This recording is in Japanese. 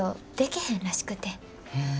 へえ。